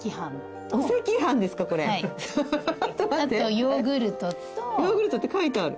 ヨーグルトって書いてある。